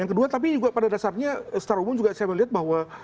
yang kedua tapi juga pada dasarnya secara umum juga saya melihat bahwa